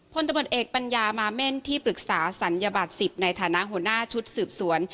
พลตำรวจเอกปัญญามาเม่นที่ปรึกษาศัลยบัตร๑๐ในฐานะหัวหน้าชุดสืบสวน